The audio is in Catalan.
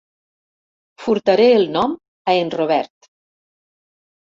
Furtaré el nom a en Robert.